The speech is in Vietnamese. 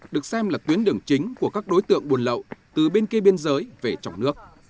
được xem là tuyến đường chính của các đối tượng buôn lậu từ bên kia biên giới về trong nước